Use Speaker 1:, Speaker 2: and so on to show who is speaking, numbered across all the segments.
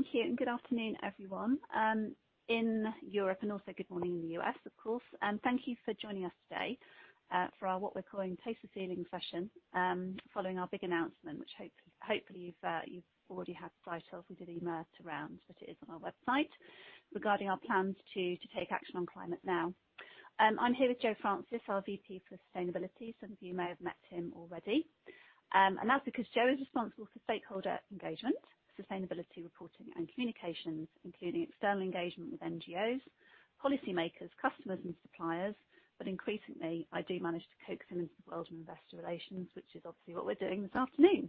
Speaker 1: Thank you, and good afternoon, everyone, in Europe, and also good morning in the US, of course. Thank you for joining us today, for our, what we're calling Taste the Feeling session, following our big announcement, which, hopefully you've already had sight of. We did email it around, but it is on our website, regarding our plans to take action on climate now. I'm here with Joe Franses, our VP for Sustainability. Some of you may have met him already. And that's because Joe is responsible for stakeholder engagement, sustainability reporting, and communications, including external engagement with NGOs, policymakers, customers, and suppliers, but increasingly, I do manage to coax him into the world of investor relations, which is obviously what we're doing this afternoon.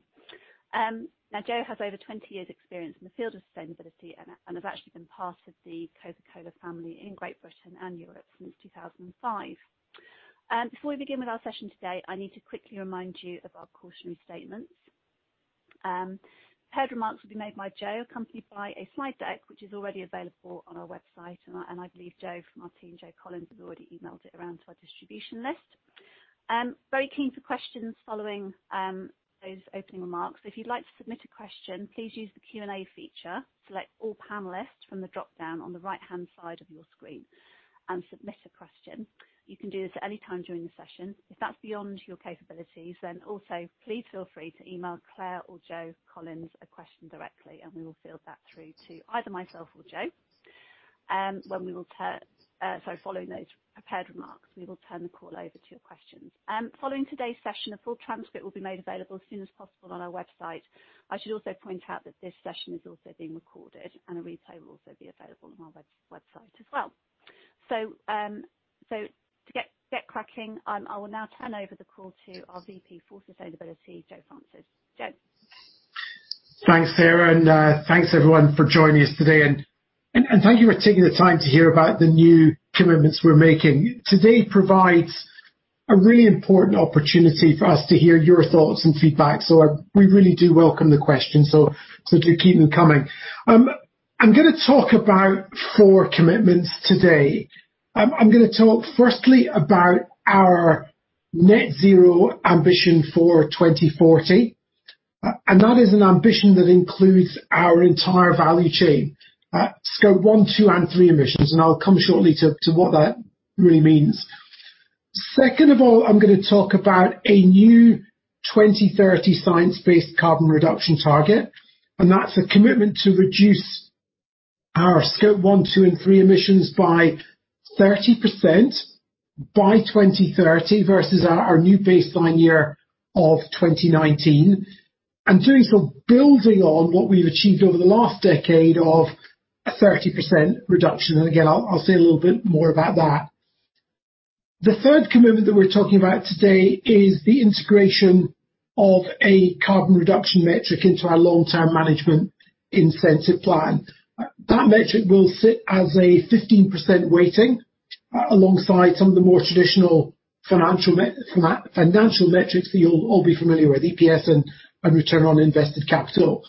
Speaker 1: Now, Joe has over twenty years' experience in the field of sustainability and has actually been part of the Coca-Cola family in Great Britain and Europe since two thousand and five. Before we begin with our session today, I need to quickly remind you of our cautionary statements. Prepared remarks will be made by Joe, accompanied by a slide deck, which is already available on our website, and I believe Joe, from our team, Joe Collins, has already emailed it around to our distribution list. Very keen for questions following those opening remarks. If you'd like to submit a question, please use the Q&A feature, select All Panelists from the drop-down on the right-hand side of your screen and submit a question. You can do this at any time during the session. If that's beyond your capabilities, then also please feel free to email Claire or Joe Collins a question directly, and we will field that through to either myself or Joe. So following those prepared remarks, we will turn the call over to your questions. Following today's session, a full transcript will be made available as soon as possible on our website. I should also point out that this session is also being recorded, and a replay will also be available on our website as well. So to get cracking, I will now turn over the call to our VP for Sustainability, Joe Franses. Joe?
Speaker 2: Thanks, Sarah, and thanks, everyone, for joining us today, and thank you for taking the time to hear about the new commitments we're making. Today provides a really important opportunity for us to hear your thoughts and feedback, so we really do welcome the questions, so do keep them coming. I'm gonna talk about four commitments today. I'm gonna talk firstly about our net zero ambition for 2040, and that is an ambition that includes our entire value chain, Scope 1, 2, and 3 emissions, and I'll come shortly to what that really means. Second of all, I'm gonna talk about a new 2030 science-based carbon reduction target, and that's a commitment to reduce our Scope 1, 2, and 3 emissions by 30% by 2030 versus our new baseline year of 2019. And doing so, building on what we've achieved over the last decade of a 30% reduction, and again, I'll say a little bit more about that. The third commitment that we're talking about today is the integration of a carbon reduction metric into our long-term management incentive plan. That metric will sit as a 15% weighting alongside some of the more traditional financial metrics that you'll all be familiar with, EPS and return on invested capital.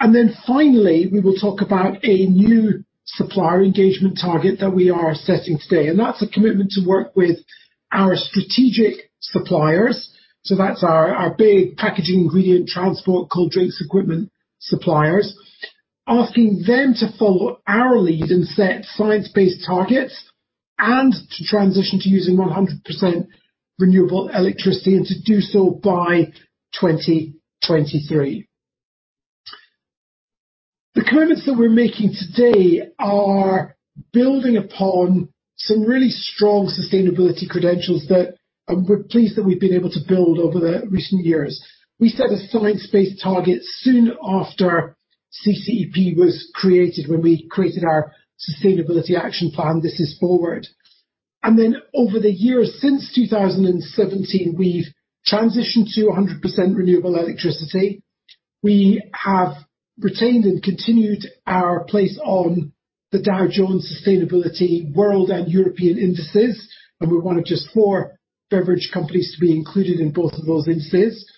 Speaker 2: And then finally, we will talk about a new supplier engagement target that we are setting today, and that's a commitment to work with our strategic suppliers. That's our big packaging, ingredient, transport, cold drinks, equipment suppliers, asking them to follow our lead and set science-based targets, and to transition to using 100% renewable electricity, and to do so by 2023. The commitments that we're making today are building upon some really strong sustainability credentials that, we're pleased that we've been able to build over the recent years. We set a science-based target soon after CCEP was created, when we created our sustainability action plan, This is Forward. And then, over the years since two thousand and seventeen, we've transitioned to 100% renewable electricity. We have retained and continued our place on the Dow Jones Sustainability World and European Indices, and we're one of just four beverage companies to be included in both of those indices.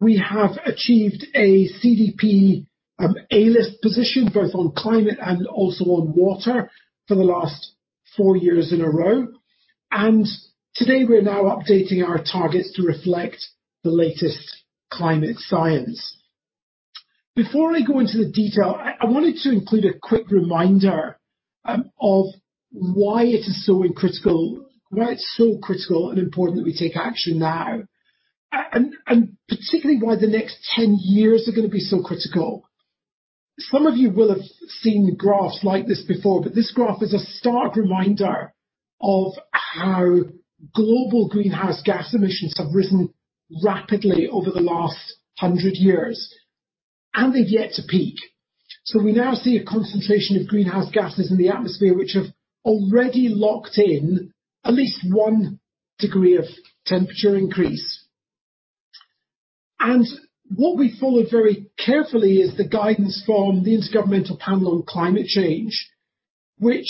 Speaker 2: We have achieved a CDP A List position, both on climate and also on water, for the last four years in a row. And today, we're now updating our targets to reflect the latest climate science. Before I go into the detail, I wanted to include a quick reminder of why it's so critical and important that we take action now, and particularly why the next ten years are gonna be so critical. Some of you will have seen graphs like this before, but this graph is a stark reminder of how global greenhouse gas emissions have risen rapidly over the last hundred years, and they've yet to peak. So we now see a concentration of greenhouse gases in the atmosphere, which have already locked in at least one degree of temperature increase. What we followed very carefully is the guidance from the Intergovernmental Panel on Climate Change, which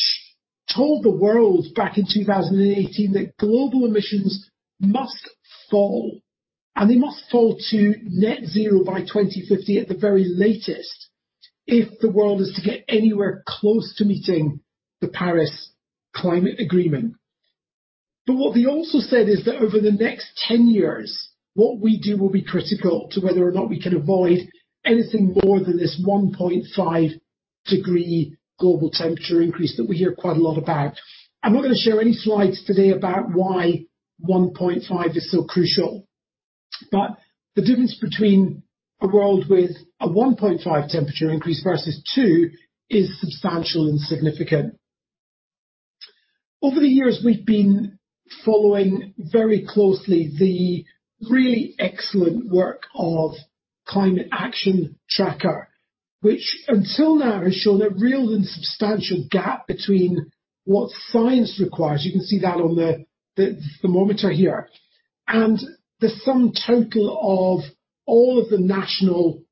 Speaker 2: told the world back in 2018 that global emissions must fall, and they must fall to net zero by 2050, at the very latest, if the world is to get anywhere close to meeting the Paris Climate Agreement. But what they also said is that over the next 10 years, what we do will be critical to whether or not we can avoid anything more than this 1.5-degree global temperature increase that we hear quite a lot about. I'm not going to share any slides today about why 1.5 is so crucial, but the difference between a world with a 1.5 temperature increase versus 2 is substantial and significant. Over the years, we've been following very closely the really excellent work of Climate Action Tracker, which until now has shown a real and substantial gap between what science requires, you can see that on the thermometer here, and the sum total of all of the national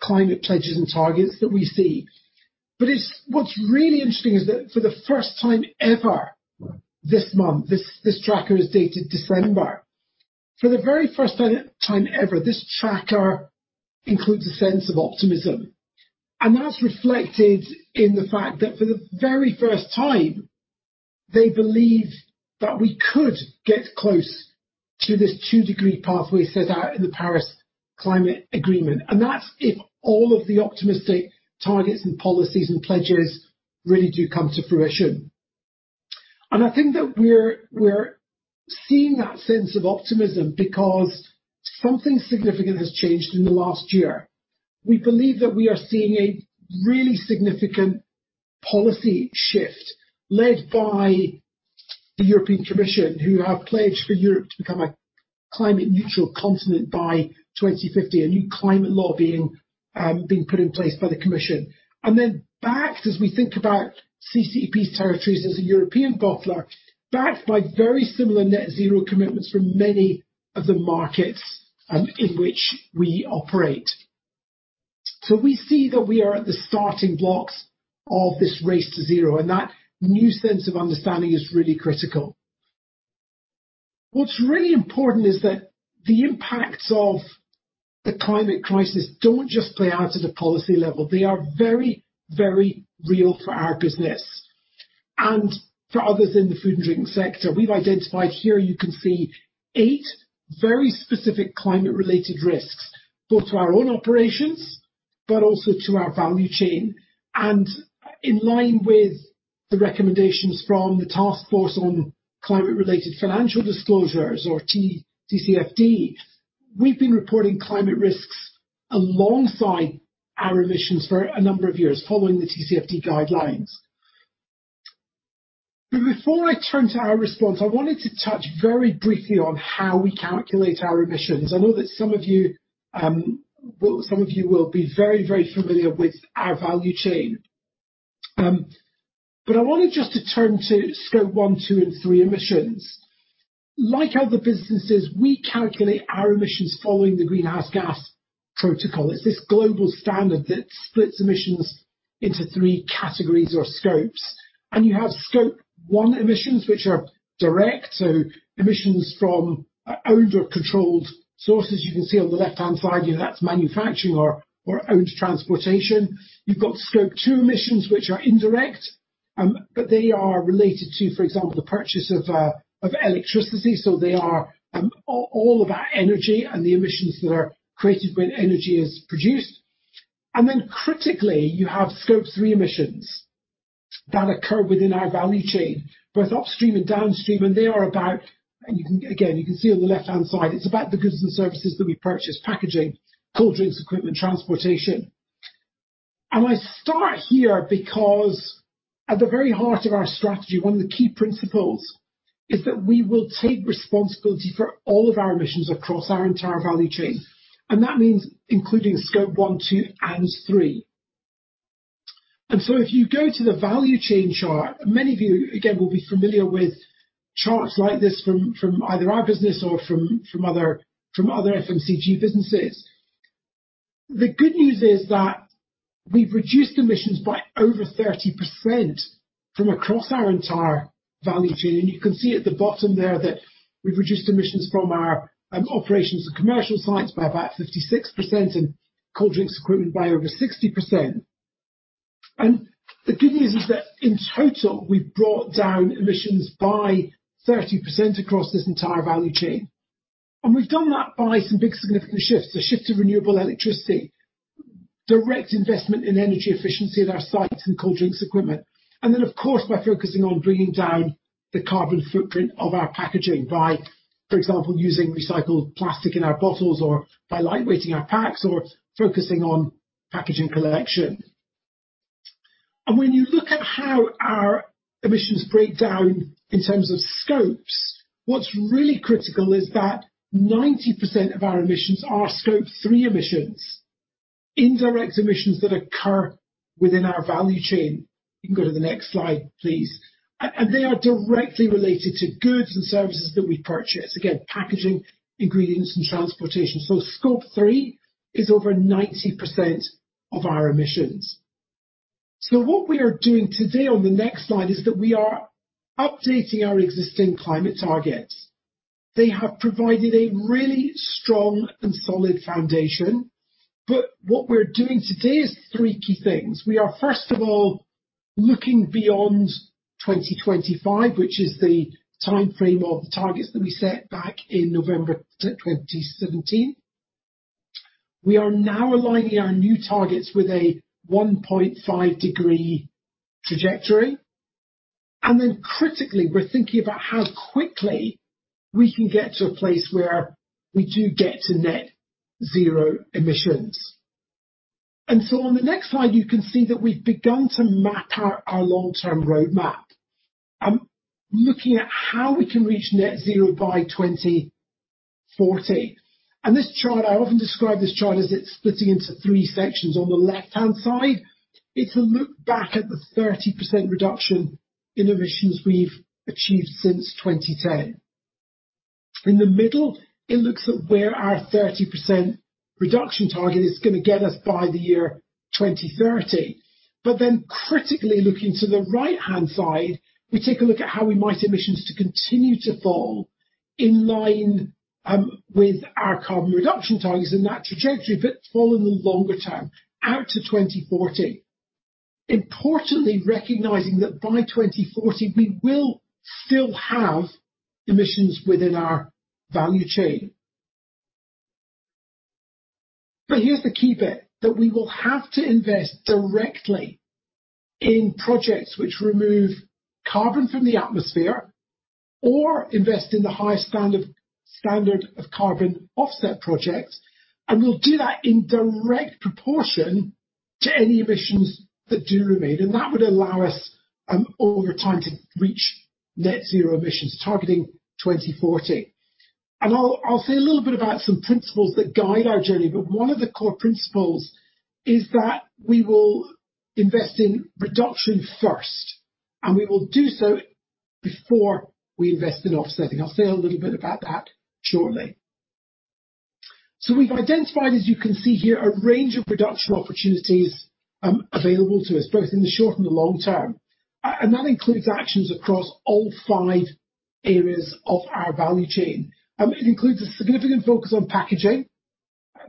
Speaker 2: climate pledges and targets that we see. But what's really interesting is that for the first time ever, this month, this tracker is dated December. For the very first time ever, this tracker includes a sense of optimism, and that's reflected in the fact that for the very first time, they believe that we could get close to this two-degree pathway set out in the Paris Climate Agreement, and that's if all of the optimistic targets and policies and pledges really do come to fruition. And I think that we're seeing that sense of optimism because something significant has changed in the last year. We believe that we are seeing a really significant policy shift led by the European Commission, who have pledged for Europe to become a climate neutral continent by twenty fifty. A new climate law being put in place by the commission. And then backed as we think about CCEP's territories as a European bottler, backed by very similar net zero commitments from many of the markets in which we operate. So we see that we are at the starting blocks of this Race to Zero, and that new sense of understanding is really critical. What's really important is that the impacts of the climate crisis don't just play out at a policy level. They are very, very real for our business and for others in the food and drink sector. We've identified here. You can see eight very specific climate-related risks, both to our own operations but also to our value chain, and in line with the recommendations from the Task Force on Climate-related Financial Disclosures or TCFD. We've been reporting climate risks alongside our emissions for a number of years following the TCFD guidelines. Before I turn to our response, I wanted to touch very briefly on how we calculate our emissions. I know that some of you, well, some of you will be very, very familiar with our value chain, but I wanted just to turn to Scope 1, 2, and 3 emissions. Like other businesses, we calculate our emissions following the Greenhouse Gas Protocol. It's this global standard that splits emissions into three categories or scopes, and you have Scope 1 emissions, which are direct, so emissions from owned or controlled sources. You can see on the left-hand side, you know, that's manufacturing or owned transportation. You've got Scope 2 emissions, which are indirect, but they are related to, for example, the purchase of electricity. So they are all about energy and the emissions that are created when energy is produced. And then, critically, you have Scope 3 emissions that occur within our value chain, both upstream and downstream, and they are about the goods and services that we purchase: packaging, cold drinks, equipment, transportation. And I start here because at the very heart of our strategy, one of the key principles is that we will take responsibility for all of our emissions across our entire value chain, and that means including Scope 1, 2, and 3. And so if you go to the value chain chart, many of you, again, will be familiar with charts like this from either our business or from other FMCG businesses. The good news is that we've reduced emissions by over 30% from across our entire value chain, and you can see at the bottom there that we've reduced emissions from our operations and commercial sites by about 56% and cold drinks equipment by over 60%. And the good news is that in total, we've brought down emissions by 30% across this entire value chain. And we've done that by some big significant shifts, so shift to renewable electricity, direct investment in energy efficiency at our sites and cold drinks equipment, and then, of course, by focusing on bringing down the carbon footprint of our packaging by, for example, using recycled plastic in our bottles or by lightweighting our packs or focusing on packaging collection. And when you look at how our emissions break down in terms of scopes, what's really critical is that 90% of our emissions are Scope 3 emissions, indirect emissions that occur within our value chain. You can go to the next slide, please. And they are directly related to goods and services that we purchase. Again, packaging, ingredients, and transportation. So Scope 3 is over 90% of our emissions. So what we are doing today on the next slide, is that we are updating our existing climate targets. They have provided a really strong and solid foundation, but what we're doing today is three key things. We are, first of all, looking beyond twenty twenty-five, which is the timeframe of the targets that we set back in November twenty seventeen. We are now aligning our new targets with a one point five degree trajectory, and then critically, we're thinking about how quickly we can get to a place where we do get to net zero emissions. And so on the next slide, you can see that we've begun to map out our long-term roadmap. Looking at how we can reach net zero by twenty forty. And this chart, I often describe this chart as it's splitting into three sections. On the left-hand side, it's a look back at the 30% reduction in emissions we've achieved since twenty ten. In the middle, it looks at where our 30% reduction target is gonna get us by the year 2030. But then, critically, looking to the right-hand side, we take a look at how our emissions might continue to fall in line with our carbon reduction targets and that trajectory, but fall in the longer term, out to 2040. Importantly, recognizing that by 2040, we will still have emissions within our value chain. But here's the key bit, that we will have to invest directly in projects which remove carbon from the atmosphere or invest in the high standard of carbon offset projects, and we'll do that in direct proportion to any emissions that do remain, and that would allow us, over time to reach net zero emissions, targeting 2040. I'll say a little bit about some principles that guide our journey, but one of the core principles is that we will invest in reduction first, and we will do so before we invest in offsetting. I'll say a little bit about that shortly. We've identified, as you can see here, a range of reduction opportunities, available to us, both in the short and the long term, and that includes actions across all five areas of our value chain. It includes a significant focus on packaging,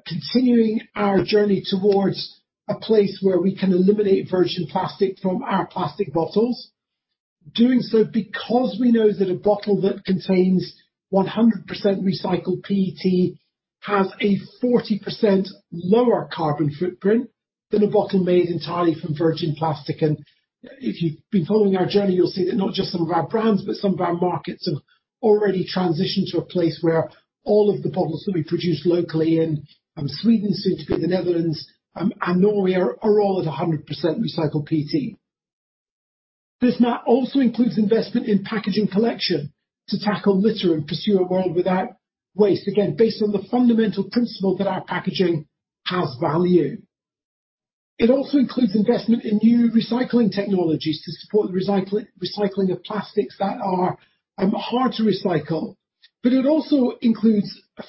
Speaker 2: continuing our journey towards a place where we can eliminate virgin plastic from our plastic bottles. Doing so because we know that a bottle that contains 100% recycled PET has a 40% lower carbon footprint than a bottle made entirely from virgin plastic. If you've been following our journey, you'll see that not just some of our brands, but some of our markets, have already transitioned to a place where all of the bottles that we produce locally in Sweden, soon to be the Netherlands, and Norway, are all at 100% recycled PET. This map also includes investment in packaging collection to tackle litter and pursue a World Without Waste, again, based on the fundamental principle that our packaging has value. It also includes investment in new recycling technologies to support the recycling of plastics that are hard to recycle, but it also includes a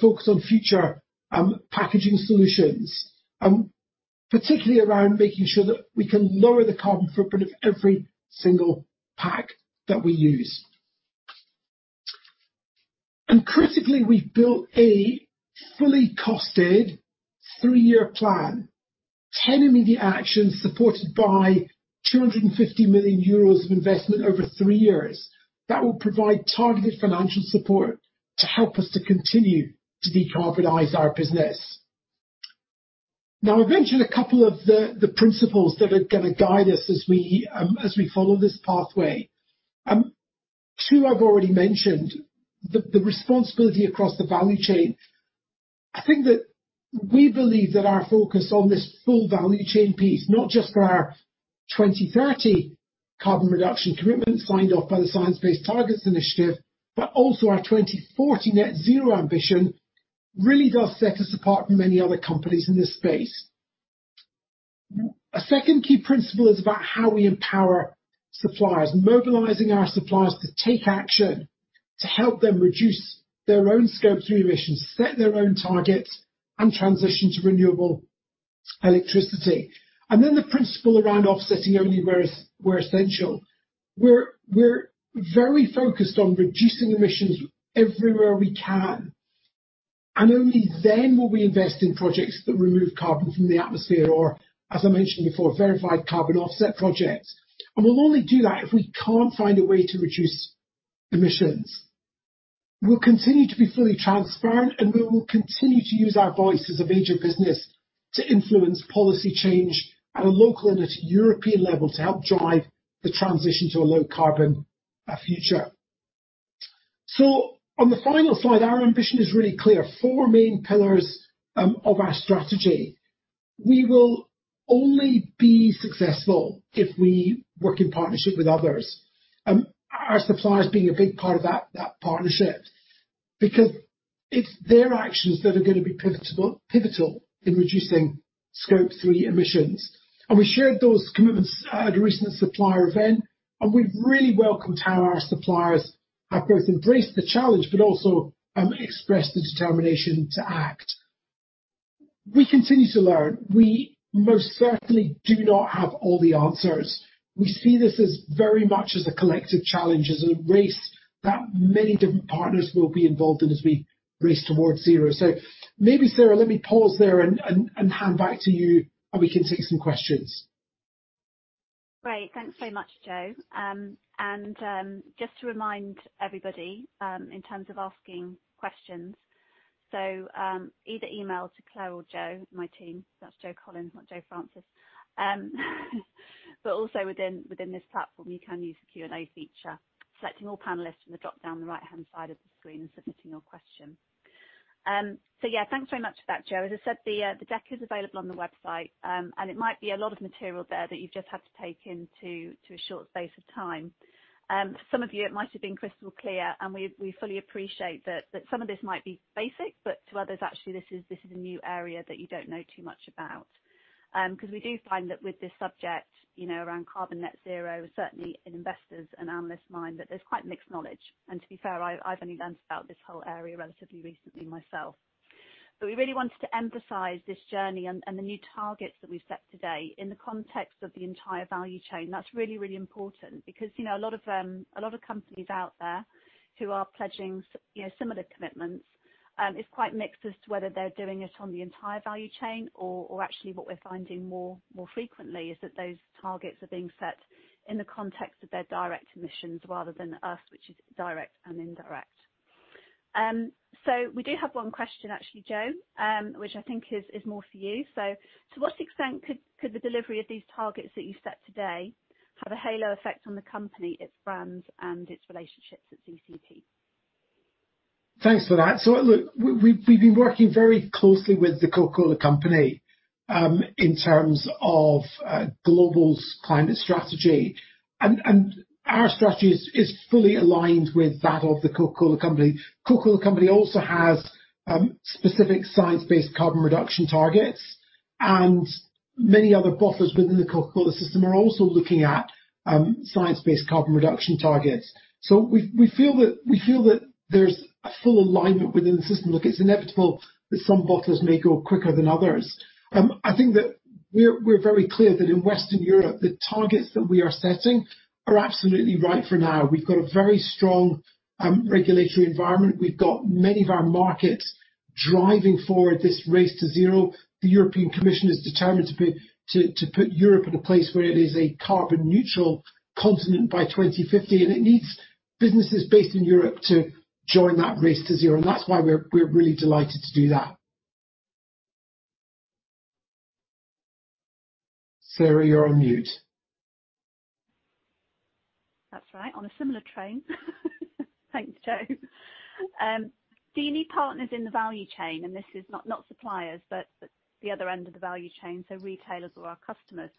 Speaker 2: focus on future packaging solutions, particularly around making sure that we can lower the carbon footprint of every single pack that we use. Critically, we've built a fully costed three-year plan, 10 immediate actions, supported by 250 million euros of investment over three years. That will provide targeted financial support to help us continue to decarbonize our business. Now, I've mentioned a couple of the principles that are gonna guide us as we follow this pathway. Two I've already mentioned, the responsibility across the value chain. I think that we believe that our focus on this full value chain piece, not just for our 2030 carbon reduction commitment, signed off by the Science Based Targets initiative, but also our 2040 net zero ambition, really does set us apart from many other companies in this space. A second key principle is about how we empower suppliers, mobilizing our suppliers to take action, to help them reduce their own Scope 3 emissions, set their own targets, and transition to renewable electricity. And then the principle around offsetting only where essential. We're very focused on reducing emissions everywhere we can, and only then will we invest in projects that remove carbon from the atmosphere or, as I mentioned before, verified carbon offset projects. And we'll only do that if we can't find a way to reduce emissions. We'll continue to be fully transparent, and we will continue to use our voice as a major business to influence policy change at a local and at a European level to help drive the transition to a low carbon future. So on the final slide, our ambition is really clear. Four main pillars of our strategy. We will only be successful if we work in partnership with others, our suppliers being a big part of that partnership, because it's their actions that are gonna be pivotal in reducing Scope 3 emissions, and we shared those commitments at a recent supplier event, and we've really welcomed how our suppliers have both embraced the challenge, but also expressed the determination to act. We continue to learn. We most certainly do not have all the answers. We see this as very much as a collective challenge, as a race that many different partners will be involved in as we race towards zero, so maybe, Sarah, let me pause there and hand back to you, and we can take some questions.
Speaker 1: Great. Thanks so much, Joe, and just to remind everybody, in terms of asking questions, so either email to Claire or Joe, my team, that's Joe Collins, not Joe Franses. But also within this platform, you can use the Q&A feature, selecting All Panelists from the drop-down on the right-hand side of the screen and submitting your question, so yeah, thanks very much for that, Joe. As I said, the deck is available on the website, and it might be a lot of material there that you've just had to take in to a short space of time. For some of you, it might have been crystal clear, and we fully appreciate that some of this might be basic, but to others, actually, this is a new area that you don't know too much about. Because we do find that with this subject, you know, around carbon net zero, certainly in investors and analysts' mind, that there's quite mixed knowledge, and to be fair, I've only learned about this whole area relatively recently myself, but we really wanted to emphasize this journey and the new targets that we've set today in the context of the entire value chain. That's really, really important because, you know, a lot of, a lot of companies out there who are pledging, you know, similar commitments, it's quite mixed as to whether they're doing it on the entire value chain or, or actually what we're finding more, more frequently is that those targets are being set in the context of their direct emissions, rather than us, which is direct and indirect. So we do have one question, actually, Joe, which I think is, is more for you: so, to what extent could, could the delivery of these targets that you've set today have a halo effect on the company, its brands, and its relationships at CCEP?
Speaker 2: Thanks for that. So look, we've been working very closely with The Coca-Cola Company in terms of global climate strategy. And our strategy is fully aligned with that of The Coca-Cola Company. The Coca-Cola Company also has specific science-based carbon reduction targets, and many other bottlers within the Coca-Cola system are also looking at science-based carbon reduction targets. So we feel that there's a full alignment within the system. Look, it's inevitable that some bottlers may go quicker than others. I think that we're very clear that in Western Europe, the targets that we are setting are absolutely right for now. We've got a very strong regulatory environment. We've got many of our markets driving forward this Race to Zero. The European Commission is determined to put Europe in a place where it is a carbon neutral continent by 2050, and it needs businesses based in Europe to join that Race to Zero, and that's why we're really delighted to do that. Sarah, you're on mute.
Speaker 1: That's right, on a similar train. Thanks, Joe. Do you need partners in the value chain, and this is not suppliers, but the other end of the value chain, so retailers or our customers,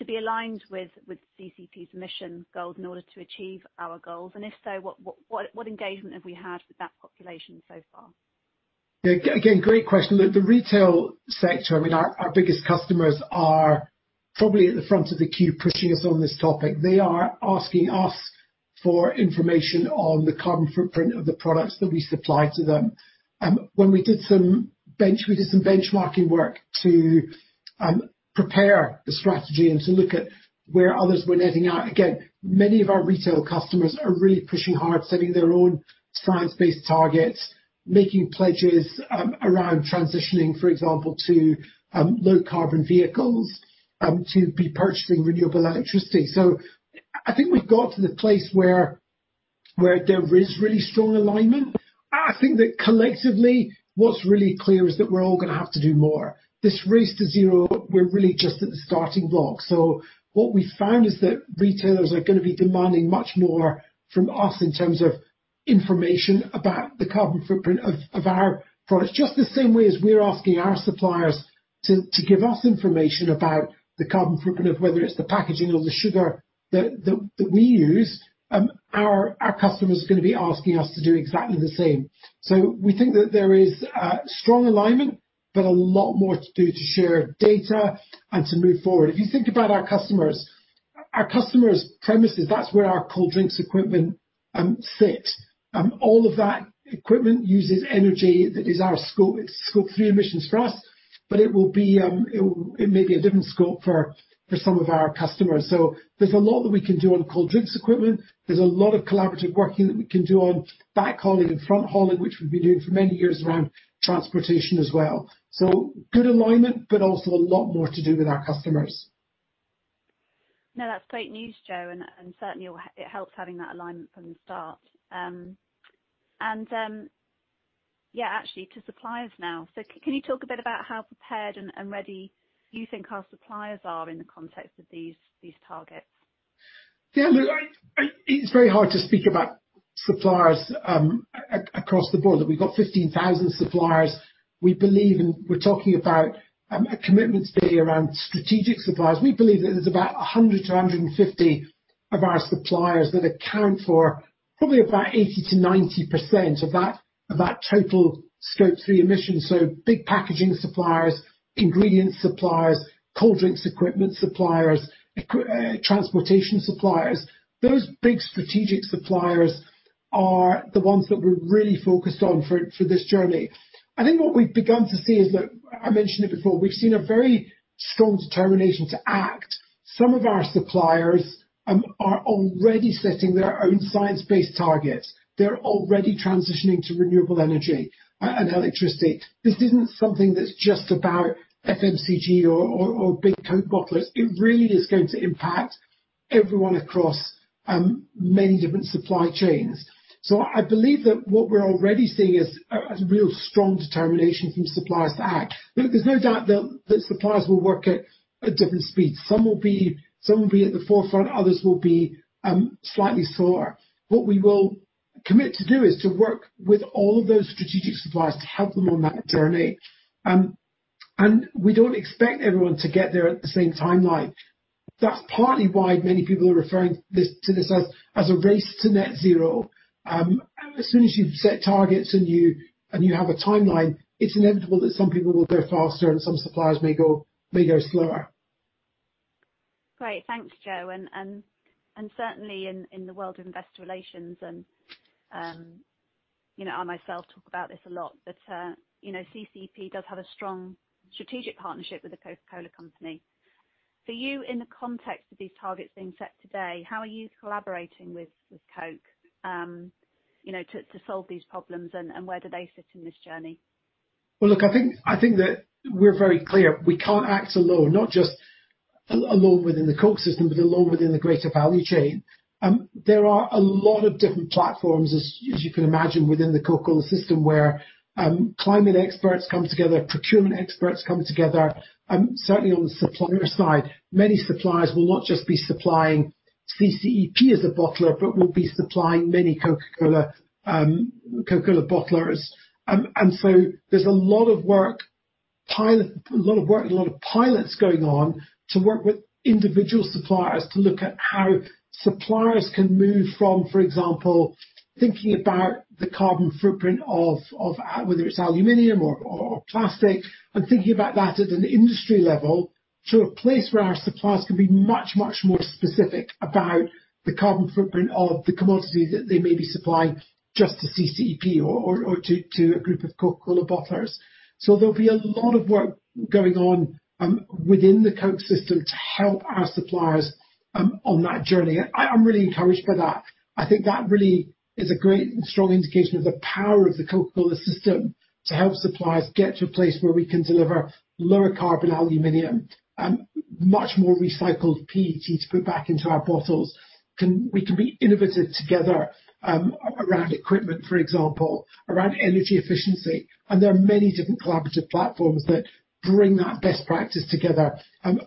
Speaker 1: to be aligned with CCEP's mission goals in order to achieve our goals? And if so, what engagement have we had with that population so far?
Speaker 2: Yeah. Again, great question. Look, the retail sector, I mean, our biggest customers are probably at the front of the queue, pushing us on this topic. They are asking us for information on the carbon footprint of the products that we supply to them. When we did some benchmarking work to prepare the strategy and to look at where others were netting out. Again, many of our retail customers are really pushing hard, setting their own science-based targets, making pledges around transitioning, for example, to low carbon vehicles, to be purchasing renewable electricity. So I think we've got to the place where there is really strong alignment. I think that collectively, what's really clear is that we're all gonna have to do more. This Race to Zero, we're really just at the starting blocks. So what we found is that retailers are gonna be demanding much more from us in terms of information about the carbon footprint of our products. Just the same way as we're asking our suppliers to give us information about the carbon footprint of whether it's the packaging or the sugar that we use, our customers are gonna be asking us to do exactly the same. So we think that there is strong alignment, but a lot more to do to share data and to move forward. If you think about our customers, our customers' premises, that's where our cold drinks equipment sit. All of that equipment uses energy. That is our scope, it's Scope 3 emissions for us, but it may be a different scope for some of our customers. So there's a lot that we can do on cold drinks equipment. There's a lot of collaborative working that we can do on backhauling and front hauling, which we've been doing for many years, around transportation as well. So good alignment, but also a lot more to do with our customers.
Speaker 1: No, that's great news, Joe, and certainly, it helps having that alignment from the start. Yeah, actually to suppliers now. So can you talk a bit about how prepared and ready you think our suppliers are in the context of these targets?
Speaker 2: Yeah, look, it's very hard to speak about suppliers across the board. Look, we've got 15,000 suppliers. We believe, and we're talking about a commitment today around strategic suppliers. We believe that there's about 100 to 150 of our suppliers that account for probably about 80% - 90% of that total Scope 3 emissions, so big packaging suppliers, ingredient suppliers, cold drinks equipment suppliers, transportation suppliers. Those big strategic suppliers are the ones that we're really focused on for this journey. I think what we've begun to see is that, I mentioned it before, we've seen a very strong determination to act. Some of our suppliers are already setting their own science-based targets. They're already transitioning to renewable energy and electricity. This isn't something that's just about FMCG or big Coke bottlers. It really is going to impact everyone across many different supply chains. So I believe that what we're already seeing is a real strong determination from suppliers to act. Look, there's no doubt that suppliers will work at different speeds. Some will be at the forefront, others will be slightly slower. What we will commit to do is to work with all of those strategic suppliers to help them on that journey, and we don't expect everyone to get there at the same timeline. That's partly why many people are referring to this as a race to net zero. As soon as you've set targets and you have a timeline, it's inevitable that some people will go faster and some suppliers may go slower.
Speaker 1: Great. Thanks, Joe, and certainly in the world of investor relations, and, you know, I myself talk about this a lot, but, you know, CCEP does have a strong strategic partnership with The Coca-Cola Company. For you, in the context of these targets being set today, how are you collaborating with Coke, you know, to solve these problems, and where do they fit in this journey?
Speaker 2: Look, I think that we're very clear. We can't act alone, not just alone within the Coke system, but alone within the greater value chain. There are a lot of different platforms, as you can imagine, within the Coca-Cola system, where climate experts come together, procurement experts come together. Certainly on the supplier side, many suppliers will not just be supplying CCEP as a bottler, but will be supplying many Coca-Cola bottlers. And so there's a lot of work and a lot of pilots going on to work with individual suppliers to look at how suppliers can move from, for example, thinking about the carbon footprint of whether it's aluminum or plastic, and thinking about that at an industry level, to a place where our suppliers can be much, much more specific about the carbon footprint of the commodity that they may be supplying just to CCEP or to a group of Coca-Cola bottlers. So there'll be a lot of work going on within the Coke system to help our suppliers on that journey. I'm really encouraged by that. I think that really is a great and strong indication of the power of the Coca-Cola system to help suppliers get to a place where we can deliver lower carbon aluminum, much more recycled PET to put back into our bottles. We can be innovative together, around equipment, for example, around energy efficiency, and there are many different collaborative platforms that bring that best practice together,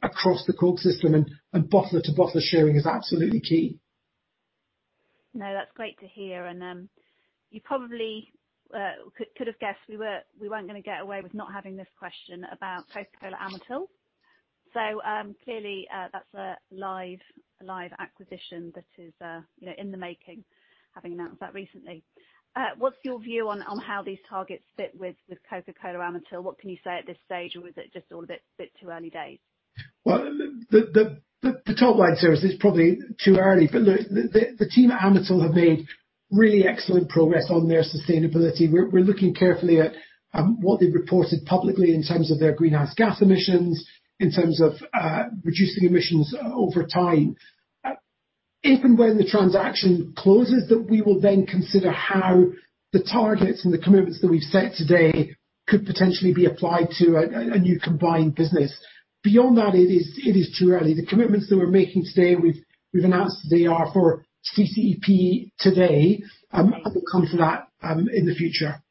Speaker 2: across the Coke system, and bottler-to-bottler sharing is absolutely key.
Speaker 1: No, that's great to hear, and, you probably, could have guessed we were, we weren't gonna get away with not having this question about Coca-Cola Amatil. So, clearly, that's a live acquisition that is, you know, in the making, having announced that recently. What's your view on, on how these targets fit with, with Coca-Cola Amatil? What can you say at this stage, or is it just all a bit too early days?
Speaker 2: Well, the top line service is probably too early, but look, the team at Amatil have made really excellent progress on their sustainability. We're looking carefully at what they've reported publicly in terms of their greenhouse gas emissions, in terms of reducing emissions over time. If and when the transaction closes, that we will then consider how the targets and the commitments that we've set today could potentially be applied to a new combined business. Beyond that, it is too early. The commitments that we're making today, we've announced they are for CCEP today, and will come to that in the future.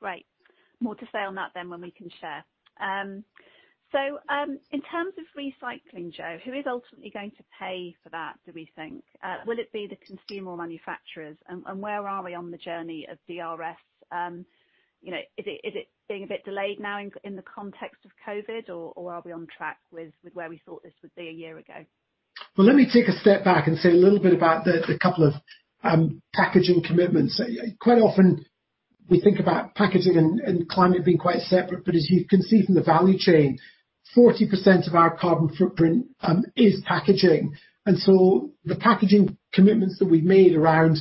Speaker 1: Great. More to say on that than when we can share. So, in terms of recycling, Joe, who is ultimately going to pay for that, do we think? Will it be the consumer or manufacturers, and where are we on the journey of DRS? You know, is it being a bit delayed now in the context of COVID, or are we on track with where we thought this would be a year ago?
Speaker 2: Let me take a step back and say a little bit about the couple of packaging commitments. Quite often, we think about packaging and climate being quite separate, but as you can see from the value chain, 40% of our carbon footprint is packaging. And so the packaging commitments that we've made around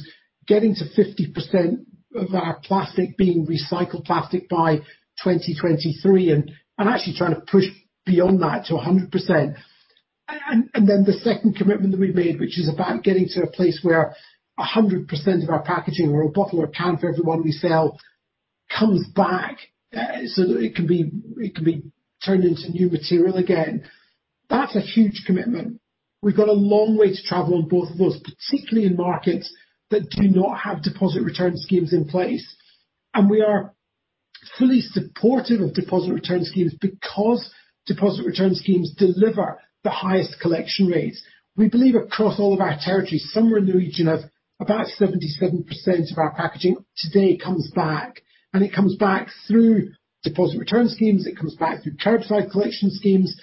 Speaker 2: getting to 50% of our plastic being recycled plastic by 2023, and actually trying to push beyond that to 100%. And then the second commitment that we've made, which is about getting to a place where 100% of our packaging or a bottle or can for every one we sell comes back, so that it can be turned into new material again. That's a huge commitment. We've got a long way to travel on both of those, particularly in markets that do not have deposit return schemes in place. And we are fully supportive of deposit return schemes because deposit return schemes deliver the highest collection rates. We believe across all of our territories, somewhere in the region of about 77% of our packaging today comes back, and it comes back through deposit return schemes, it comes back through curbside collection schemes,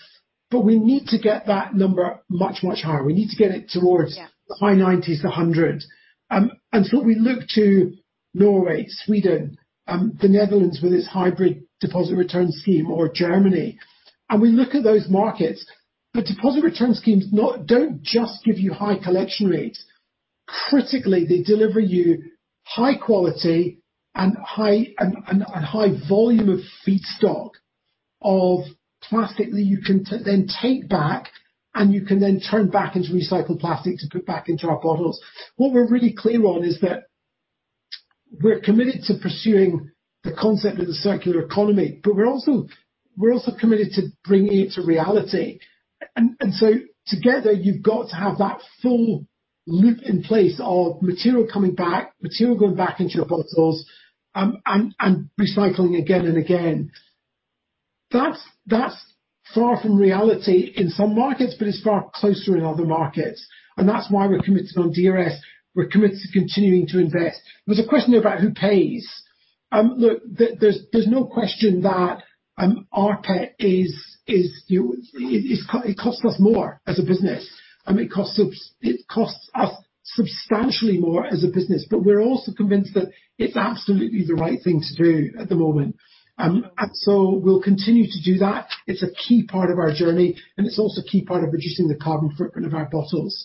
Speaker 2: but we need to get that number much, much higher. We need to get it towards,
Speaker 1: Yeah.
Speaker 2: The high nineties, the hundred. And so we look to Norway, Sweden, the Netherlands with its hybrid deposit return scheme, or Germany. And we look at those markets, but deposit return schemes don't just give you high collection rates. Critically, they deliver you high quality and high volume of feedstock of plastic that you can then take back, and you can then turn back into recycled plastic to put back into our bottles. What we're really clear on is that, we're committed to pursuing the concept of the circular economy, but we're also committed to bringing it to reality. And so together, you've got to have that full loop in place of material coming back, material going back into your bottles, and recycling again and again. That's far from reality in some markets, but it's far closer in other markets, and that's why we're committed on DRS. We're committed to continuing to invest. There's a question about who pays. Look, there's no question that rPET costs us more as a business, and it costs us substantially more as a business, but we're also convinced that it's absolutely the right thing to do at the moment, and so we'll continue to do that. It's a key part of our journey, and it's also a key part of reducing the carbon footprint of our bottles.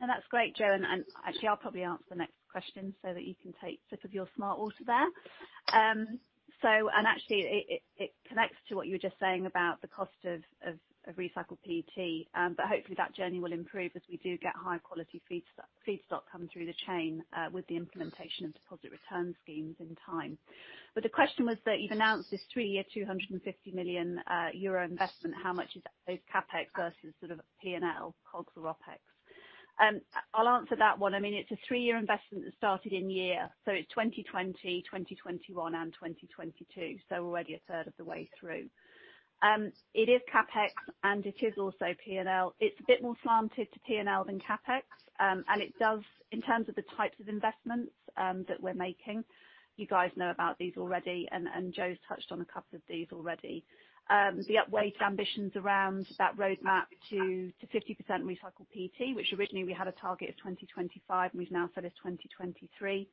Speaker 1: That's great, Joe, and actually, I'll probably answer the next question so that you can take a sip of your Smartwater there. So and actually it connects to what you were just saying about the cost of recycled PET, but hopefully, that journey will improve as we do get high-quality feedstock coming through the chain, with the implementation of deposit return schemes in time. But the question was that you've announced this three-year, 250 million euro investment. How much is that both CapEx versus sort of P&L, COGS or OpEx? I'll answer that one. I mean, it's a three-year investment that started in year, so it's 2020, 2021 and 2022. So already a third of the way through. It is CapEx, and it is also P&L. It's a bit more slanted to P&L than CapEx. And it does. In terms of the types of investments that we're making, you guys know about these already, and Joe's touched on a couple of these already. The upweight ambitions around that roadmap to 50% recycled PET, which originally we had a target of twenty twenty-five, and we've now set as twenty twenty-three.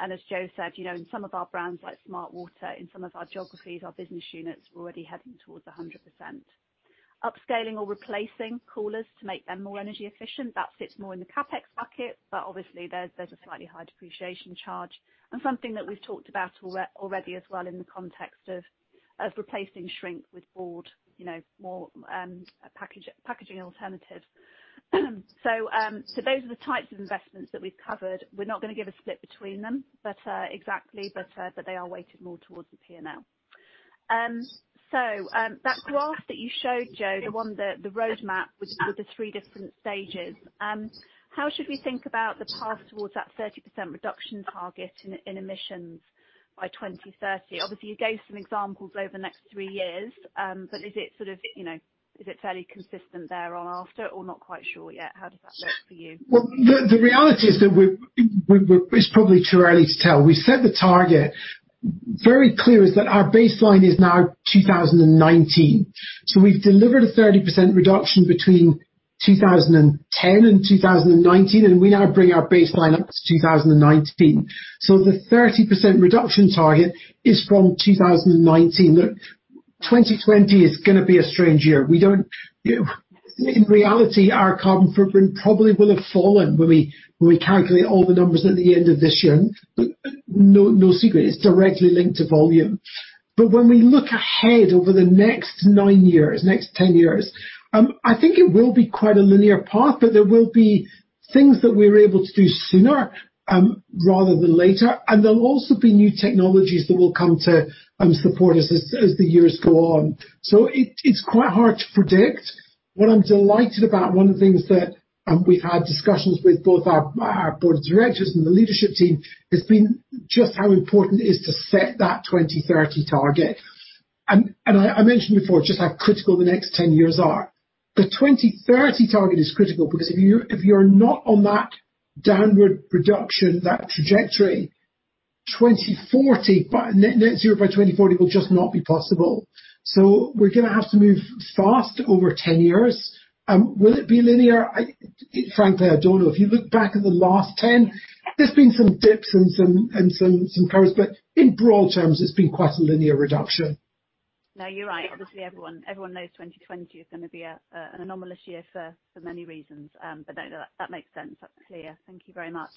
Speaker 1: And as Joe said, you know, in some of our brands, like Smartwater, in some of our geographies, our business units, we're already heading towards 100%. Upscaling or replacing coolers to make them more energy efficient, that fits more in the CapEx bucket, but obviously there's a slightly higher depreciation charge. And something that we've talked about already as well in the context of replacing shrink with board, you know, more packaging alternatives. So those are the types of investments that we've covered. We're not going to give a split between them, but exactly, but they are weighted more towards the P&L. So that graph that you showed, Joe, the one, the roadmap with the three different stages, how should we think about the path towards that 30% reduction target in emissions by 2030? Obviously, you gave some examples over the next three years, but is it sort of, you know, is it fairly consistent thereafter or not quite sure yet? How does that look for you?
Speaker 2: The reality is that we're. It's probably too early to tell. We set the target. Very clear is that our baseline is now 2019. So we've delivered a 30% reduction between 2010 and 2019, and we now bring our baseline up to 2019. So the 30% reduction target is from 2019. Look, 2020 is gonna be a strange year. We don't. In reality, our carbon footprint probably will have fallen when we calculate all the numbers at the end of this year. But no secret, it's directly linked to volume. But when we look ahead over the next nine years, next 10 years, I think it will be quite a linear path, but there will be things that we're able to do sooner rather than later. And there'll also be new technologies that will come to support us as the years go on. So it's quite hard to predict. What I'm delighted about, one of the things that we've had discussions with both our board of directors and the leadership team, has been just how important it is to set that 2030 target. And I mentioned before just how critical the next 10 years are. The 2030 target is critical because if you're not on that downward reduction, that trajectory, 2040 by net zero by 2040 will just not be possible. So we're gonna have to move fast over ten years. Will it be linear? I, frankly, don't know. If you look back at the last ten, there's been some dips and some curves, but in broad terms, it's been quite a linear reduction.
Speaker 1: No, you're right. Obviously, everyone, everyone knows 2020 is gonna be an anomalous year for many reasons. But that makes sense. That's clear. Thank you very much.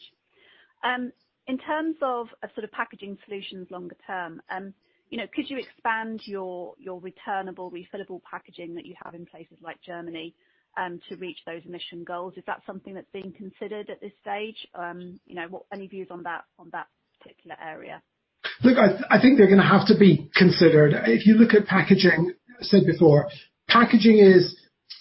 Speaker 1: In terms of a sort of packaging solutions longer term, you know, could you expand your returnable, refillable packaging that you have in places like Germany to reach those emission goals? Is that something that's being considered at this stage? You know, any views on that particular area?
Speaker 2: Look, I think they're gonna have to be considered. If you look at packaging, I said before, packaging is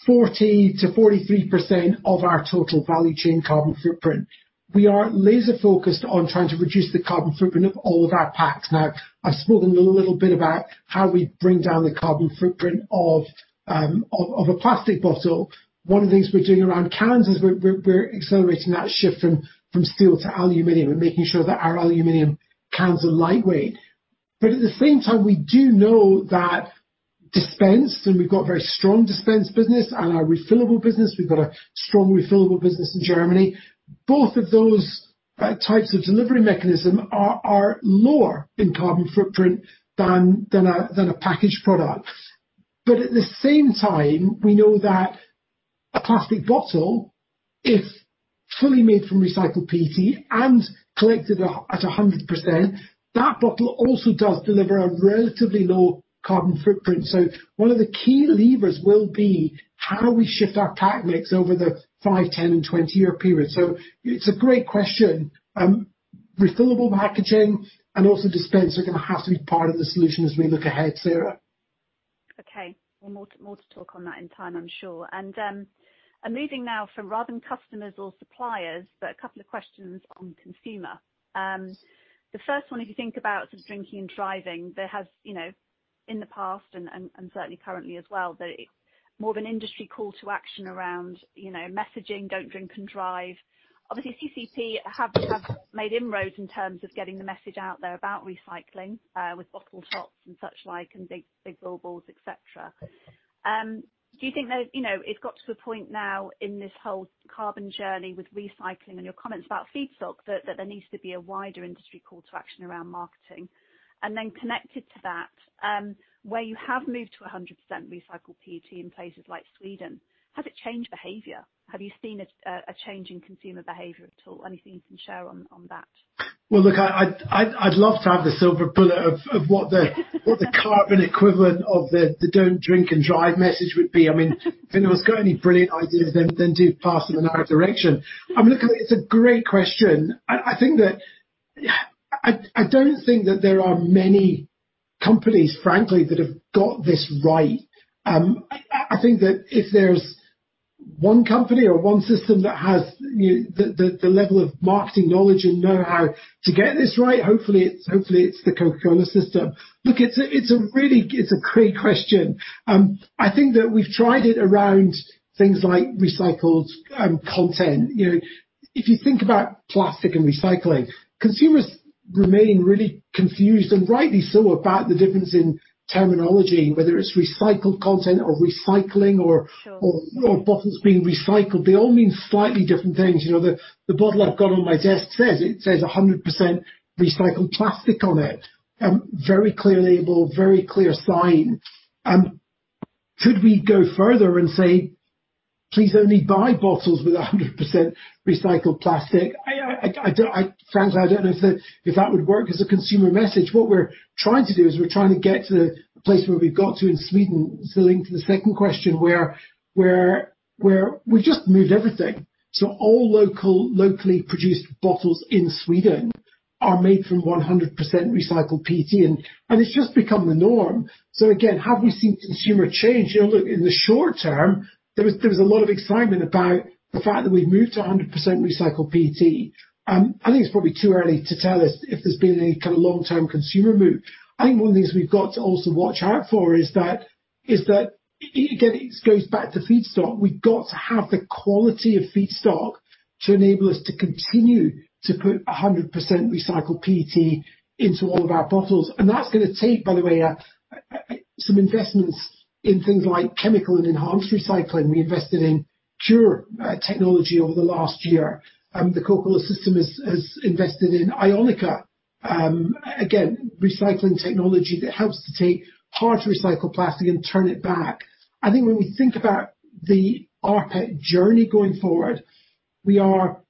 Speaker 2: 40%-43% of our total value chain carbon footprint. We are laser-focused on trying to reduce the carbon footprint of all of our packs. Now, I've spoken a little bit about how we bring down the carbon footprint of a plastic bottle. One of the things we're doing around cans is we're accelerating that shift from steel to aluminum and making sure that our aluminum cans are lightweight. But at the same time, we do know that dispense, and we've got a very strong dispense business and our refillable business, we've got a strong refillable business in Germany. Both of those types of delivery mechanism are lower in carbon footprint than a packaged product. But at the same time, we know that a plastic bottle, if fully made from recycled PET and collected at 100%, that bottle also does deliver a relatively low carbon footprint. So one of the key levers will be how we shift our pack mix over the five, ten, and twenty-year period. So it's a great question. Refillable packaging and also dispense are gonna have to be part of the solution as we look ahead, Sarah.
Speaker 1: Okay. Well, more to talk on that in time, I'm sure. And I'm moving now from rather than customers or suppliers, but a couple of questions on consumer. The first one, if you think about sort of drinking and driving, there has, you know, in the past and certainly currently as well, that it's more of an industry call to action around, you know, messaging, "Don't drink and drive." Obviously, CCEP have made inroads in terms of getting the message out there about recycling with bottle tops and such like, and big billboards, et cetera. Do you think that, you know, it's got to the point now in this whole carbon journey with recycling and your comments about feedstock, that there needs to be a wider industry call to action around marketing? Then connected to that, where you have moved to 100% recycled PET in places like Sweden, has it changed behavior? Have you seen a change in consumer behavior at all? Anything you can share on that?
Speaker 2: Look, I'd love to have the silver bullet of what the carbon equivalent of the don't drink and drive message would be. I mean, if anyone's got any brilliant ideas, then do pass them in our direction. Look, it's a great question. I think that I don't think that there are many companies, frankly, that have got this right. I think that if there's one company or one system that has the level of marketing knowledge and know-how to get this right, hopefully, it's the Coca-Cola system. Look, it's a really great question. I think that we've tried it around things like recycled content. You know, if you think about plastic and recycling, consumers remain really confused, and rightly so, about the difference in terminology, whether it's recycled content or recycling or-
Speaker 1: Sure.
Speaker 2: or bottles being recycled. They all mean slightly different things. You know, the bottle I've got on my desk says, it says 100% recycled plastic on it. Very clear label, very clear sign. Should we go further and say, "Please only buy bottles with 100% recycled plastic?" I don't frankly know if that would work as a consumer message. What we're trying to do is we're trying to get to the place where we've got to in Sweden. So linked to the second question, where we've just moved everything, so all local, locally produced bottles in Sweden are made from 100% recycled PET, and it's just become the norm. So again, have we seen consumer change? You know, look, in the short term, there was a lot of excitement about the fact that we've moved to 100% recycled PET. I think it's probably too early to tell if there's been any kind of long-term consumer move. I think one of the things we've got to also watch out for is that again, it goes back to feedstock. We've got to have the quality of feedstock to enable us to continue to put 100% recycled PET into all of our bottles, and that's gonna take, by the way, some investments in things like chemical and enhanced recycling. We invested in CuRe Technology over the last year. The Coca-Cola system has invested in Ioniqa. Again, recycling technology that helps to take hard-to-recycle plastic and turn it back. I think when we think about the rPET journey going forward, we are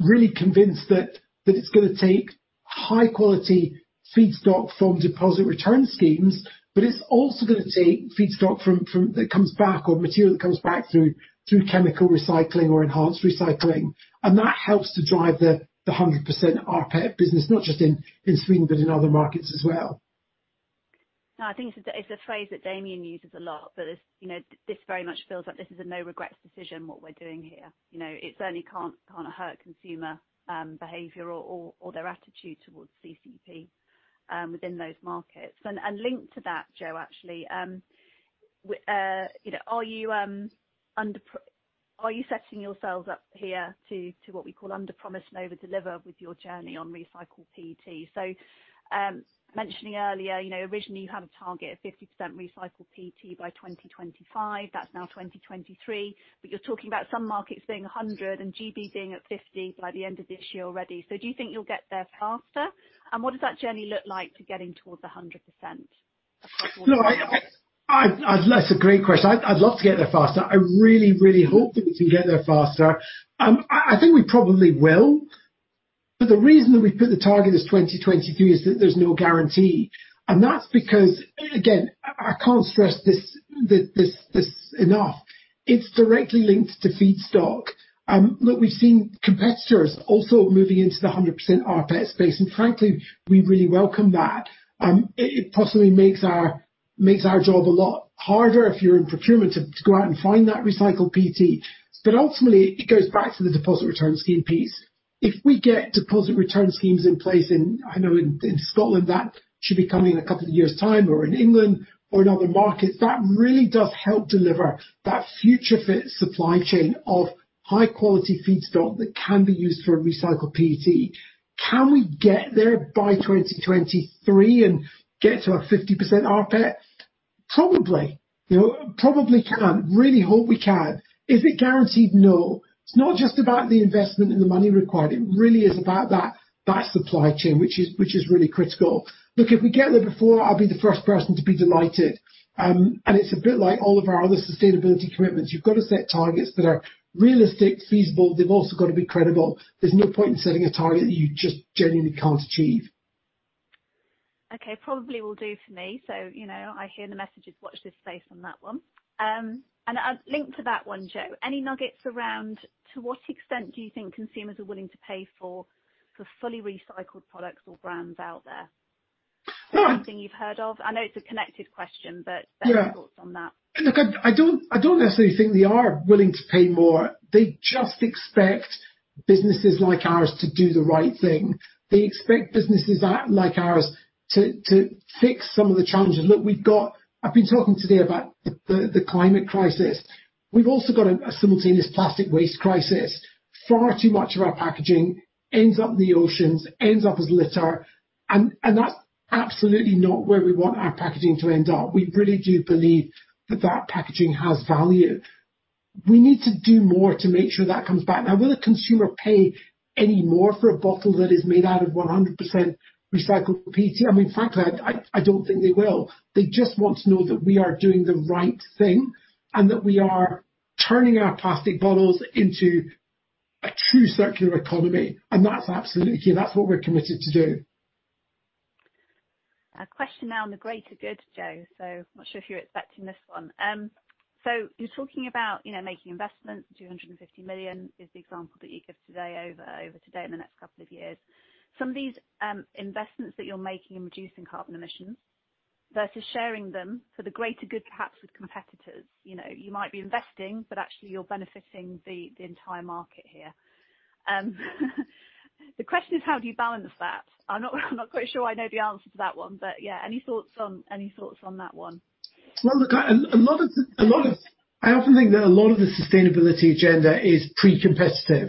Speaker 2: really convinced that it's gonna take high-quality feedstock from deposit return schemes, but it's also gonna take feedstock from that comes back or material that comes back through chemical recycling or enhanced recycling. And that helps to drive the 100% rPET business, not just in Sweden, but in other markets as well.
Speaker 1: No, I think it's a phrase that Damian uses a lot, but it's, you know, this very much feels like this is a no-regrets decision, what we're doing here. You know, it certainly can't hurt consumer behavior or their attitude towards CCEP within those markets. And linked to that, Joe, actually, you know, are you setting yourselves up here to what we call underpromise and overdeliver with your journey on recycled PET? So, mentioning earlier, you know, originally you had a target of 50% recycled PET by 2025. That's now 2023, but you're talking about some markets being 100, and GB being at 50 by the end of this year already. So do you think you'll get there faster? What does that journey look like to getting towards 100%?
Speaker 2: No, that's a great question. I'd love to get there faster. I really, really hope that we can get there faster. I think we probably will, but the reason that we've put the target as 2023 is that there's no guarantee, and that's because, again, I can't stress this enough, it's directly linked to feedstock. Look, we've seen competitors also moving into the 100% rPET space, and frankly, we really welcome that. It possibly makes our job a lot harder if you're in procurement to go out and find that recycled PET, but ultimately, it goes back to the deposit return scheme piece. If we get deposit return schemes in place in, I know in Scotland, that should be coming in a couple of years' time, or in England or in other markets, that really does help deliver that future-fit supply chain of high-quality feedstock that can be used for recycled PET. Can we get there by 2023 and get to a 50% rPET? Probably. You know, probably can. Really hope we can. Is it guaranteed? No. It's not just about the investment and the money required. It really is about that supply chain, which is really critical. Look, if we get there before, I'll be the first person to be delighted, and it's a bit like all of our other sustainability commitments. You've got to set targets that are realistic, feasible, they've also got to be credible. There's no point in setting a target that you just genuinely can't achieve.
Speaker 1: Okay, probably will do for me. So, you know, I hear the message is watch this space on that one. And linked to that one, Joe, any nuggets around to what extent do you think consumers are willing to pay for fully recycled products or brands out there?
Speaker 2: Uh.
Speaker 1: Anything you've heard of? I know it's a connected question, but-
Speaker 2: Yeah.
Speaker 1: Any thoughts on that?
Speaker 2: Look, I don't necessarily think they are willing to pay more. They just expect businesses like ours to do the right thing. They expect businesses like ours to fix some of the challenges. Look, we've got. I've been talking today about the climate crisis. We've also got a simultaneous plastic waste crisis. Far too much of our packaging ends up in the oceans, ends up as litter, and that's absolutely not where we want our packaging to end up. We really do believe that packaging has value. We need to do more to make sure that comes back. Now, will a consumer pay any more for a bottle that is made out of 100% recycled PET? I mean, frankly, I don't think they will. They just want to know that we are doing the right thing, and that we are turning our plastic bottles into a true circular economy, and that's absolutely key. That's what we're committed to do.
Speaker 1: A question now on the greater good, Joe, so I'm not sure if you're expecting this one. So you're talking about, you know, making investments, 250 million is the example that you give today, over today, in the next couple of years. Some of these, investments that you're making in reducing carbon emissions versus sharing them for the greater good, perhaps with competitors. You know, you might be investing, but actually you're benefiting the entire market here. The question is: how do you balance that? I'm not quite sure I know the answer to that one, but, yeah. Any thoughts on that one?
Speaker 2: Well, look, a lot of the sustainability agenda is pre-competitive.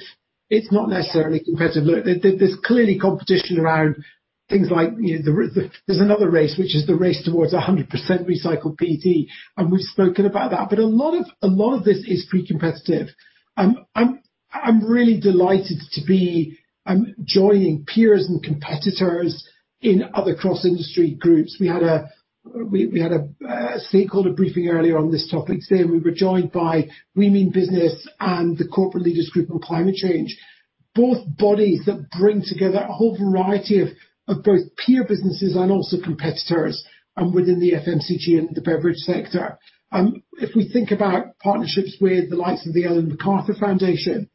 Speaker 2: It's not necessarily competitive. Look, there's clearly competition around things like, you know, there's another race, which is the race towards 100% recycled PET, and we've spoken about that. But a lot of this is pre-competitive. I'm really delighted to be joining peers and competitors in other cross-industry groups. We had a stakeholder briefing earlier on this topic today, and we were joined by We Mean Business and the Corporate Leaders Group on Climate Change, both bodies that bring together a whole variety of both peer businesses and also competitors within the FMCG and the beverage sector. If we think about partnerships with the likes of the Ellen MacArthur Foundation,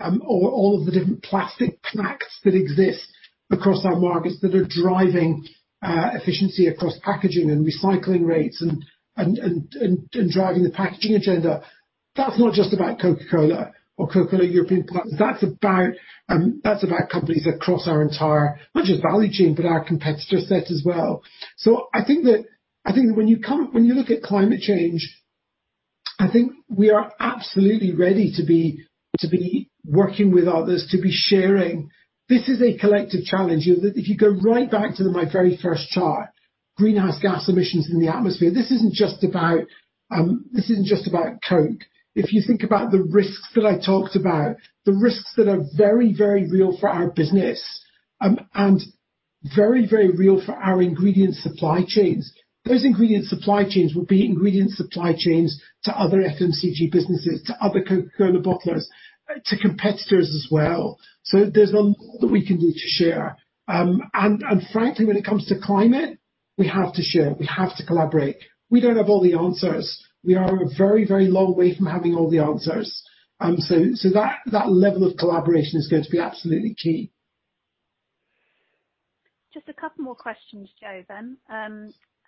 Speaker 2: or all of the different Plastics Pacts that exist across our markets that are driving efficiency across packaging and recycling rates and driving the packaging agenda, that's not just about Coca-Cola or Coca-Cola European Partners. That's about, that's about companies across our entire, not just value chain, but our competitor set as well. So I think that, I think that when you look at climate change, I think we are absolutely ready to be working with others, to be sharing. This is a collective challenge. You know, if you go right back to my very first chart, greenhouse gas emissions in the atmosphere. This isn't just about, this isn't just about Coke. If you think about the risks that I talked about, the risks that are very, very real for our business, and very, very real for our ingredient supply chains, those ingredient supply chains will be ingredient supply chains to other FMCG businesses, to other Coca-Cola bottlers, to competitors as well. So there's a lot that we can do to share. And frankly, when it comes to climate, we have to share, we have to collaborate. We don't have all the answers. We are a very, very long way from having all the answers. So that level of collaboration is going to be absolutely key.
Speaker 1: Just a couple more questions, Joe, then.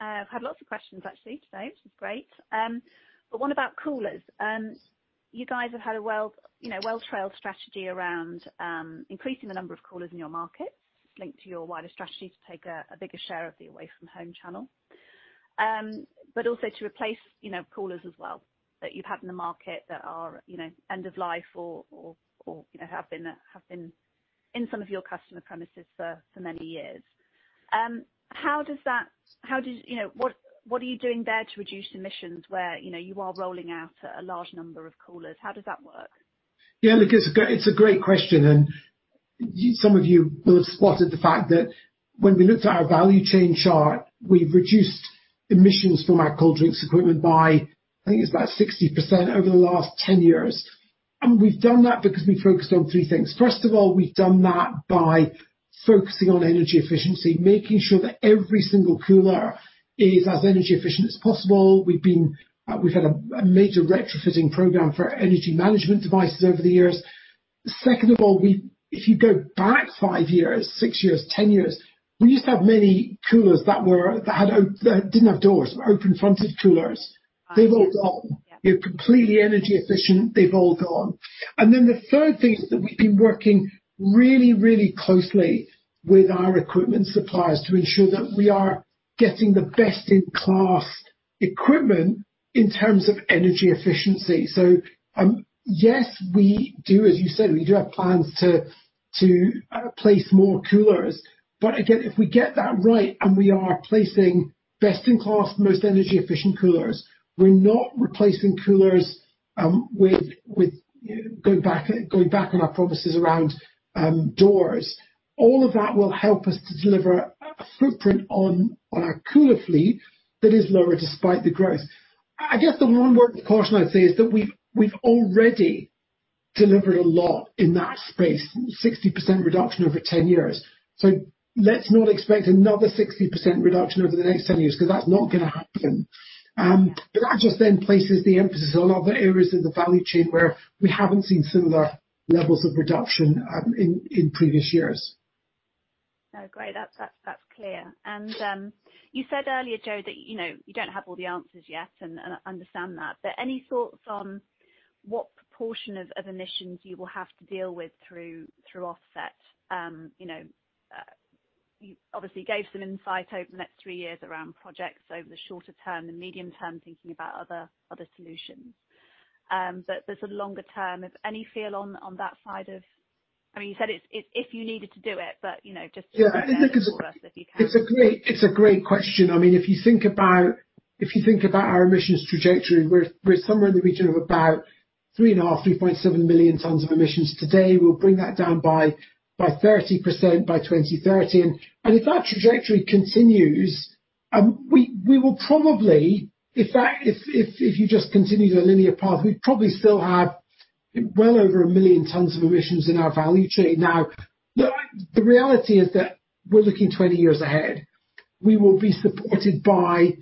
Speaker 1: I've had lots of questions, actually, today, which is great, but what about coolers? You guys have had a, you know, well-trailed strategy around increasing the number of coolers in your market, linked to your wider strategy to take a bigger share of the away-from-home channel. But also to replace, you know, coolers as well, that you've had in the market that are, you know, end of life or have been in some of your customer premises for many years. How does that work? What are you doing there to reduce emissions where, you know, you are rolling out a large number of coolers? How does that work?
Speaker 2: Yeah, look, it's a great question, and some of you will have spotted the fact that when we looked at our value chain chart, we've reduced emissions from our cold drinks equipment by, I think it's about 60% over the last 10 years. We've done that because we focused on three things. First of all, we've done that by focusing on energy efficiency, making sure that every single cooler is as energy efficient as possible. We've been, we've had a major retrofitting program for energy management devices over the years. Second of all, if you go back 5 years, 6 years, 10 years, we used to have many coolers that didn't have doors, open-fronted coolers.
Speaker 1: Ah, yes.
Speaker 2: They've all gone.
Speaker 1: Yeah.
Speaker 2: They're completely energy efficient. They've all gone, and then the third thing is that we've been working really, really closely with our equipment suppliers to ensure that we are getting the best-in-class equipment in terms of energy efficiency, so yes, we do, as you said, we do have plans to place more coolers. But again, if we get that right, and we are placing best-in-class, most energy-efficient coolers, we're not replacing coolers with, you know, going back on our promises around doors. All of that will help us to deliver a footprint on our cooler fleet that is lower despite the growth. I guess the one word of caution I'd say is that we've already delivered a lot in that space, 60% reduction over ten years. So let's not expect another 60% reduction over the next 10 years, because that's not gonna happen. But that just then places the emphasis on other areas of the value chain where we haven't seen similar levels of reduction in previous years.
Speaker 1: No, great. That's clear. And you said earlier, Joe, that you know, you don't have all the answers yet, and I understand that, but any thoughts on what proportion of emissions you will have to deal with through offset? You know, you obviously gave some insight over the next three years around projects over the shorter term and medium term, thinking about other solutions. But there's a longer term, if any feel on that side of. I mean, you said it's if you needed to do it, but you know, just.
Speaker 2: Yeah.
Speaker 1: For us, if you can.
Speaker 2: It's a great question. I mean, if you think about our emissions trajectory, we're somewhere in the region of about 3.5-3.7 million tons of emissions today. We'll bring that down by 30% by 2030. And if that trajectory continues, we will probably, if you just continue to linear path, we'd probably still have well over 1 million tons of emissions in our value chain. Now, the reality is that we're looking 20 years ahead. We will be supported by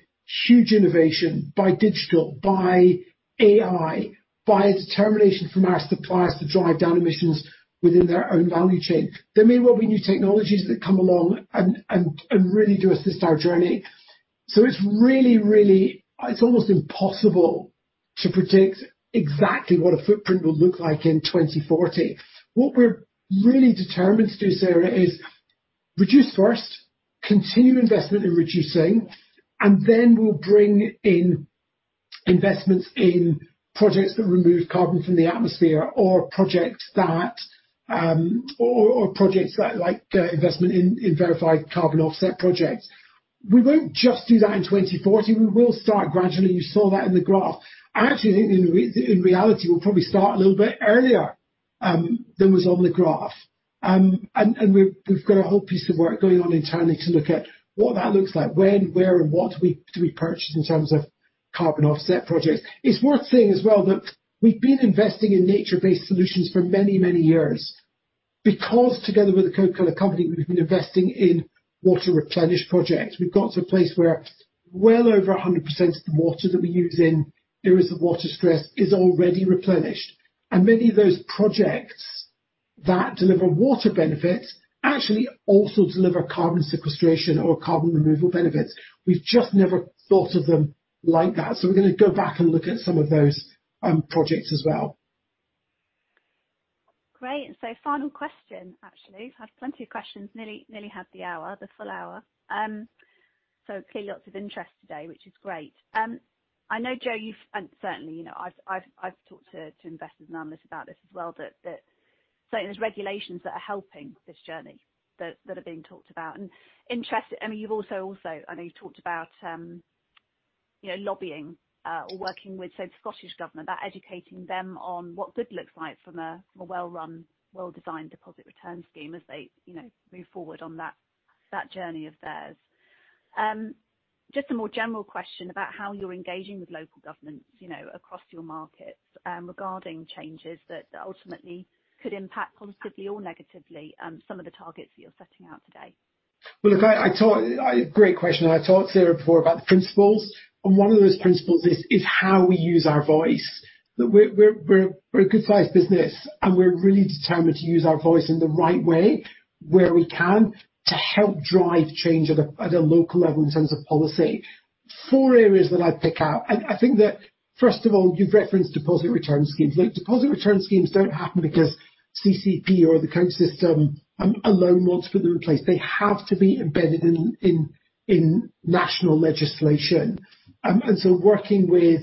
Speaker 2: huge innovation, by digital, by AI, by a determination from our suppliers to drive down emissions within their own value chain. There may well be new technologies that come along and really do assist our journey. So it's really, really... It's almost impossible to predict exactly what a footprint will look like in 2040. What we're really determined to do, Sarah, is reduce first, continue investment in reducing, and then we'll bring in investments in projects that remove carbon from the atmosphere, or projects like investment in verified carbon offset projects. We won't just do that in 2040, we will start gradually. You saw that in the graph. Actually, in reality, we'll probably start a little bit earlier than was on the graph, and we've got a whole piece of work going on internally to look at what that looks like, when, where and what we do we purchase in terms of carbon offset projects. It's worth saying as well that we've been investing in nature-based solutions for many, many years, because together with the Coca-Cola Company, we've been investing in water replenish projects. We've got to a place where well over 100% of the water that we use in areas of water stress is already replenished, and many of those projects that deliver water benefits actually also deliver carbon sequestration or carbon removal benefits. We've just never thought of them like that. So we're gonna go back and look at some of those projects as well.
Speaker 1: Great. So final question, actually. Had plenty of questions, nearly had the hour, the full hour. Clearly lots of interest today, which is great. I know, Joe, you've... and certainly, you know, I've talked to investors and analysts about this as well, that certainly there's regulations that are helping this journey that are being talked about, and interest, I mean, you've also, I know you talked about, you know, lobbying or working with, say, the Scottish Government, about educating them on what good looks like from a well-run, well-designed deposit return scheme as they, you know, move forward on that journey of theirs. Just a more general question about how you're engaging with local governments, you know, across your markets, regarding changes that ultimately could impact positively or negatively some of the targets you're setting out today?
Speaker 2: Great question. I talked, Sarah, before about the principles, and one of those principles is how we use our voice. That we're a good-sized business, and we're really determined to use our voice in the right way, where we can, to help drive change at a local level in terms of policy. Four areas that I'd pick out. I think that first of all, you've referenced deposit return schemes. Deposit return schemes don't happen because CCEP or the Coke system alone wants to put them in place. They have to be embedded in national legislation. And so working with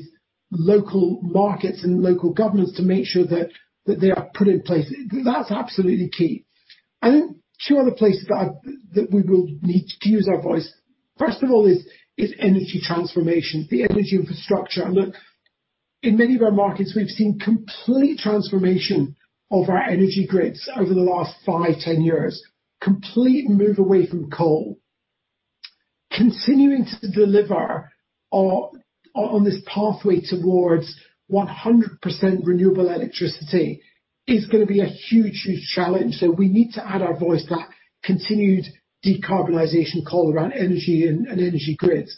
Speaker 2: local markets and local governments to make sure that they are put in place, that's absolutely key. I think two other places that we will need to use our voice, first of all, is energy transformation, the energy infrastructure. Look, in many of our markets, we've seen complete transformation of our energy grids over the last five, ten years. Complete move away from coal. Continuing to deliver on this pathway towards 100% renewable electricity is gonna be a huge, huge challenge, so we need to add our voice to that continued decarbonization call around energy and energy grids.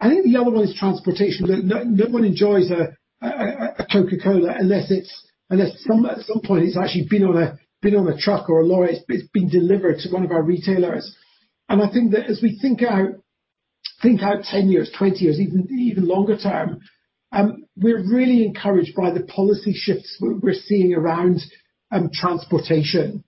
Speaker 2: I think the other one is transportation. No one enjoys a Coca-Cola unless at some point it's actually been on a truck or a lorry, it's been delivered to one of our retailers. And I think that as we think out ten years, twenty years, even longer term, we're really encouraged by the policy shifts we're seeing around transportation,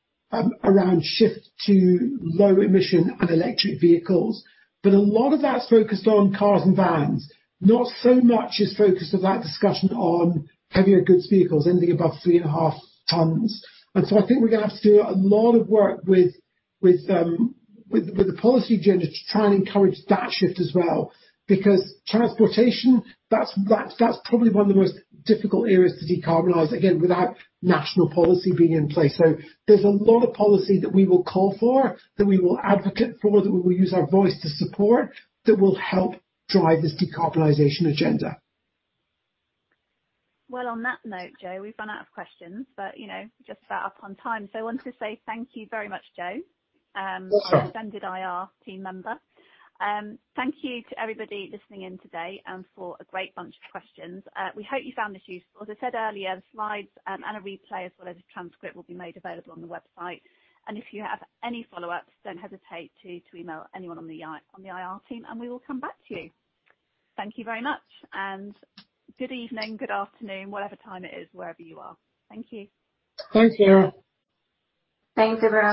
Speaker 2: around shift to low-emission and electric vehicles. But a lot of that's focused on cars and vans, not so much is focused of that discussion on heavier goods vehicles, anything above three and a half tons. And so I think we're gonna have to do a lot of work with the policy agenda to try and encourage that shift as well, because transportation, that's probably one of the most difficult areas to decarbonize, again, without national policy being in place. So there's a lot of policy that we will call for, that we will advocate for, that we will use our voice to support, that will help drive this decarbonization agenda.
Speaker 1: On that note, Joe, we've run out of questions, but, you know, just about up on time. I want to say thank you very much, Joe.
Speaker 2: You're welcome.
Speaker 1: Our extended IR team member. Thank you to everybody listening in today, and for a great bunch of questions. We hope you found this useful. As I said earlier, the slides and a replay, as well as a transcript, will be made available on the website. If you have any follow-ups, don't hesitate to email anyone on the IR team, and we will come back to you. Thank you very much, and good evening, good afternoon, whatever time it is, wherever you are. Thank you.
Speaker 2: Thanks, Sarah.
Speaker 1: Thanks, everyone.